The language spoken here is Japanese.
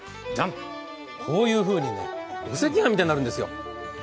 こういうふうに、お赤飯みたいになるんですよ。